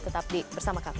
tetap bersama kami